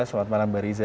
selamat malam mbak riza